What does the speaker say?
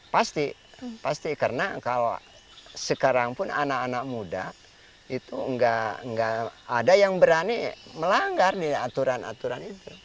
pasti pasti karena kalau sekarang pun anak anak muda itu nggak ada yang berani melanggar di aturan aturan itu